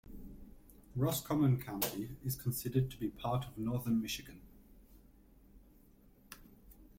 Roscommon County is considered to be part of Northern Michigan.